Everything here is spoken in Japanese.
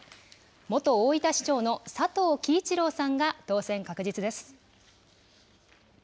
元大分市長の佐藤樹一郎さんが当選確実です。